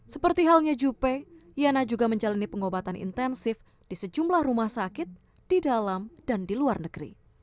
seperti halnya juppe yana juga menjalani pengobatan intensif di sejumlah rumah sakit di dalam dan di luar negeri